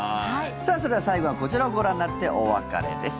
さあ、それでは最後はこちらをご覧になってお別れです。